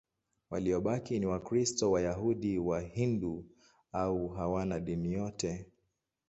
Waliobaki ni Wakristo, Wayahudi, Wahindu au hawana dini yote.